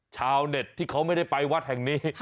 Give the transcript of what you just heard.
ชาวเน็ตที่เขาไม่ได้ไปวัดแห่งนี้